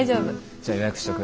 じゃあ予約しとく。